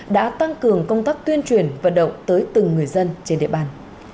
đã tăng cường công tác tuyên truyền vận động tới từng người dân trên địa bàn